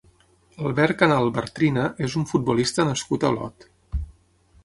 Albert Canal Bartrina és un futbolista nascut a Olot.